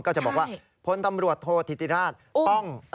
ก็จะบอกว่าพศธิติราช